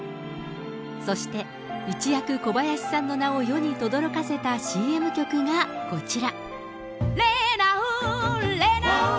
そして、一躍、小林さんの名を世にとどろかせたＣＭ局がこちら。